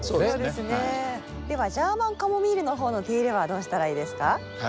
ではジャーマンカモミールの方の手入れはどうしたらいいですか？